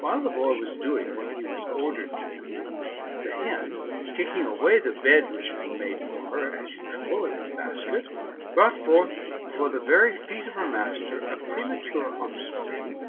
While the boy was doing what he was (Mrdered to do, the hen, kicking away the bed which had been made for her, as usual, in the basket, brought forth before the very feet of her master^ a premature offspring, 7.